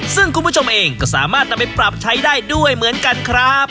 ซึ่งคุณผู้ชมเองก็สามารถนำไปปรับใช้ได้ด้วยเหมือนกันครับ